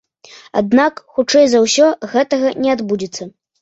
Аднак хутчэй за ўсё гэтага не адбудзецца.